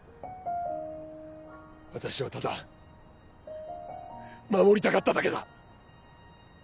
私はただ守りたかっただけだ。